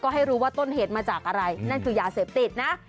ก็ให้รู้ว่าต้นเหตุมาจากอะไรอย่าเสพติดนะ